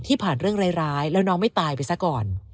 ผ่านเรื่องร้ายแล้วน้องไม่ตายไปซะก่อน